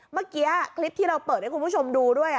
เมื่อกี้คลิปที่เราเปิดให้คุณผู้ชมดูด้วย